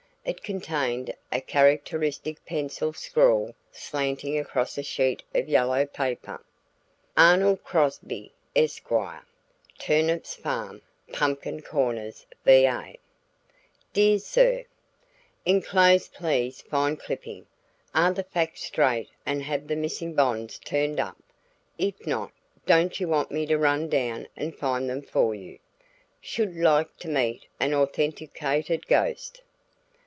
It contained a characteristic pencil scrawl slanting across a sheet of yellow copy paper. "Arnold Crosby, Esq. "Turnips Farm, Pumpkin Corners, Va. "Dear Sir: "Enclosed please find clipping. Are the facts straight and have the missing bonds turned up? If not, don't you want me to run down and find them for you? Should like to meet an authenticated ghost.